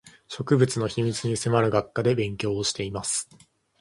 植物の秘密に迫る学科で勉強をしています